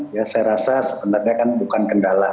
ya saya rasa sebenarnya kan bukan kendala